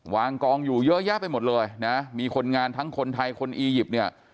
วางกองอยู่เยอะแยะไปหมดเลยนะมีคนงานทั้งคนไทยคนอียิปต์เนี่ย